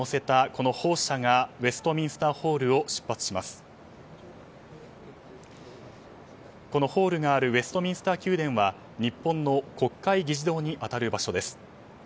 このホールがあるウェストミンスター宮殿は日本の国会議事堂に当たる場所です。